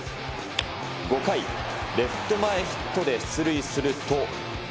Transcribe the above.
５回、レフト前ヒットで出塁すると。